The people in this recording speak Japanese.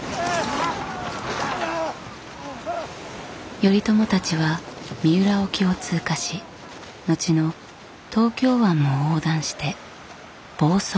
頼朝たちは三浦沖を通過し後の東京湾も横断して房総半島へ。